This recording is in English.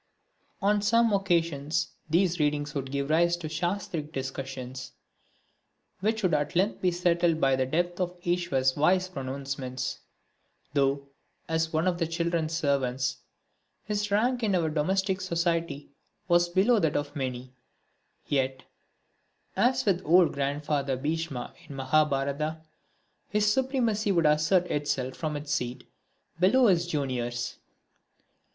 On some occasions these readings would give rise to shastric discussions, which would at length be settled by the depth of Iswar's wise pronouncements. Though, as one of the children's servants, his rank in our domestic society was below that of many, yet, as with old Grandfather Bhisma in the Mahabharata, his supremacy would assert itself from his seat, below his juniors.